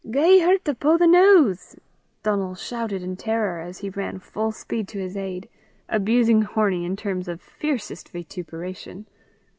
"Gie her 't upo' the nose," Donal shouted in terror, as he ran full speed to his aid, abusing Hornie in terms of fiercest vituperation.